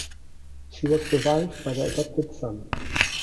She was survived by their adopted son.